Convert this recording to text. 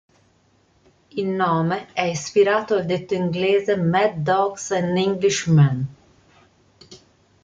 Il nome è ispirato al detto inglese "Mad Dogs and English Men".